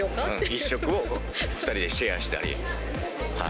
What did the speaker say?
１食を２人でシェアしたり。